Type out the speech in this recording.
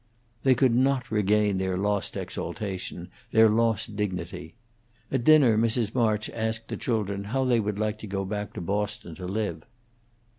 They could not regain their lost exaltation, their lost dignity. At dinner Mrs. March asked the children how they would like to go back to Boston to live.